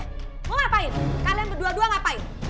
mau ngapain kalian berdua dua ngapain